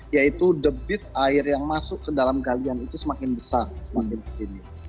yaitu debit air yang masuk ke dalam galian itu semakin besar semakin kesini